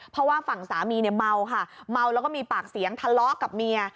เพราะว่าฝั่งสามีเนี่ยเมาค่ะเมาแล้วก็มีปากเสียงทะเลาะกับเมีย